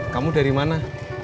kamu dari mana